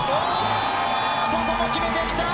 ここも決めてきた！